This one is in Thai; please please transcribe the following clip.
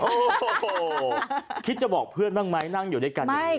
โอ้โหคิดจะบอกเพื่อนบ้างไหมนั่งอยู่ด้วยกันยังไง